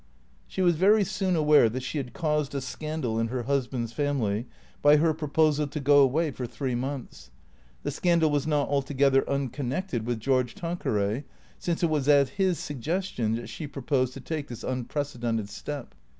She was very soon aware that she had caused a scandal in her husband's family by her proposal to go away for three months. The scandal was not altogether unconnected with George Tan queray, since it was at his suggestion that she proposed to take this unprecedented step.